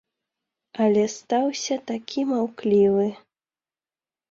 Але стаўся такі маўклівы.